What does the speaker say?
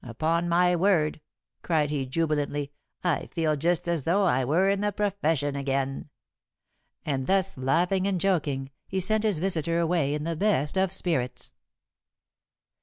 Upon my word," cried he jubilantly, "I feel just as though I were in the profession again." And thus laughing and joking, he sent his visitor away in the best of spirits.